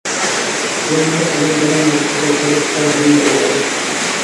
জমহুর আলিমগণের মতে, সকল ফেরেশতার জন্যেই এ আদেশটি ছিল।